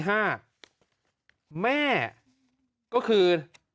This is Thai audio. แม่แม่ก็คือ